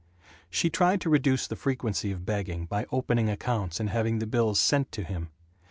She tried to reduce the frequency of begging by opening accounts and having the bills sent to him.